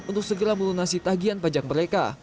untuk segera melunasi tagian pajak mereka